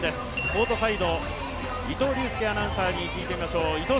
コートサイド、伊藤隆佑アナウンサーに聞いてみましょう。